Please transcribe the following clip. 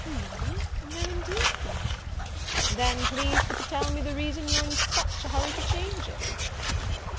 "Me! no, indeed, Sir." "Then please for to tell me the reason you're in such a hurry to change it?"